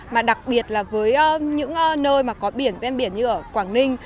mà đặc biệt là với những nơi mà có biển ven biển như ở quảng ninh